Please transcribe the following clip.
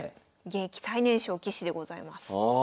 現役最年少棋士でございます。